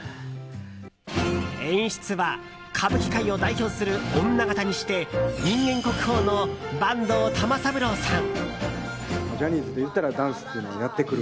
演出は歌舞伎界を代表する女形にして人間国宝の坂東玉三郎さん。